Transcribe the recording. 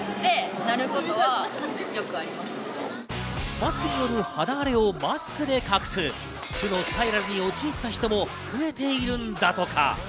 マスクによる肌荒れをマスクで隠す、負のスパイラルに陥っている人も増えているんだとか。